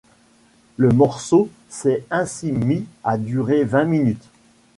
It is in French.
Le morceau s'est ainsi mis à durer vingt minutes.